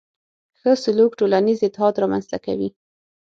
ښه سلوک ټولنیز اتحاد رامنځته کوي.